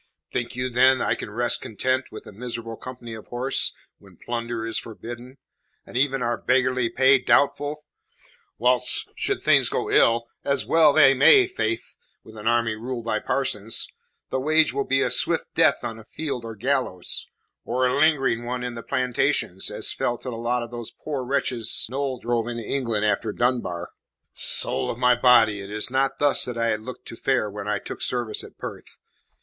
Think you, then, I can rest content with a miserable company of horse when plunder is forbidden, and even our beggarly pay doubtful? Whilst, should things go ill as well they may, faith, with an army ruled by parsons the wage will be a swift death on field or gallows, or a lingering one in the plantations, as fell to the lot of those poor wretches Noll drove into England after Dunbar. Soul of my body, it is not thus that I had looked to fare when I took service at Perth.